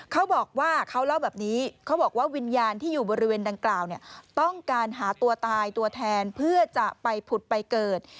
เขาบอกว่าเขาเล่าแบบนี้